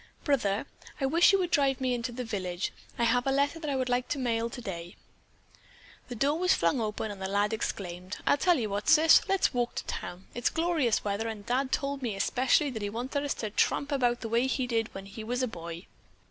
"Brother, I wish you would drive me into the village. I have a letter that I would like to mail today." The door was flung open and the lad exclaimed: "I'll tell you what, Sis! Let's walk to town! It's glorious weather and Dad told me especially that he wanted us to tramp about the way he did when he was a boy."